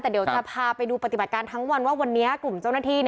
แต่เดี๋ยวจะพาไปดูปฏิบัติการทั้งวันว่าวันนี้กลุ่มเจ้าหน้าที่